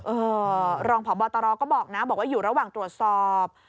รองพบตรก็บอกนะบอกว่าอยู่ระหว่างตรวจสอบ